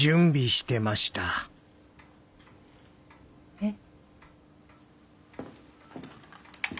えっ？